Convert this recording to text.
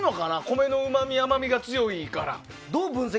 米のうまみ、甘みが強いから。